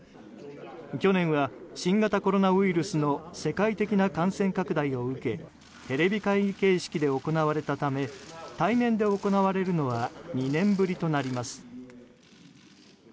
去年は新型コロナウイルスの世界的な感染拡大を受けテレビ会議形式で行われたため対面で行われるのは２年ぶりとなります。